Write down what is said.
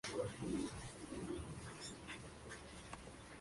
Ambos tuvieron tres hijos.